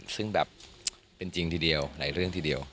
ซึ่งแบบเป็นจริงทีเดียวหลายเรื่องทีเดียว